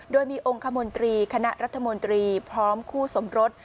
โดยมีองค์คมนตรีคณะรัฐมนตรีพร้อมคู่สมรส